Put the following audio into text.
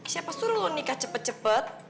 siapa suruh lo nikah cepet cepet